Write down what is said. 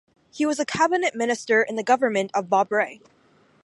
He was a cabinet minister in the government of Bob Rae.